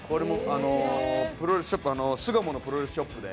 巣鴨のプロレスショップで